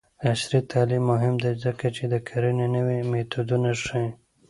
عصري تعلیم مهم دی ځکه چې د کرنې نوې میتودونه ښيي.